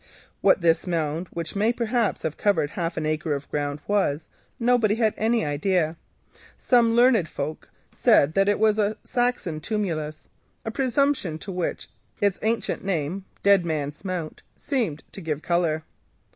What this mound, which may perhaps have covered half an acre of ground, was, nobody had any idea. Some learned folk write it down a Saxon tumulus, a presumption to which its ancient name, "Dead Man's Mount," seemed to give colour.